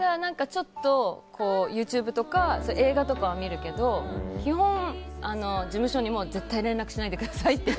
ちょっとＹｏｕＴｕｂｅとか映画とかは見るけど基本、事務所に絶対連絡しないでくださいって。